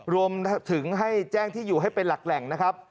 รวมถึงให้แจ้งที่อยู่ให้เป็นหลักแหล่งนะครับ